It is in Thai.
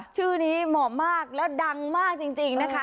ชื่อนี้เหมาะมากแล้วดังมากจริงนะคะ